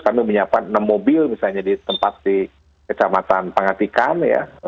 karena menyiapkan enam mobil misalnya di tempat di kecamatan pangatikan ya